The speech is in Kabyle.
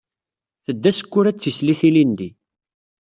Tedda Sekkura d tislit ilindi.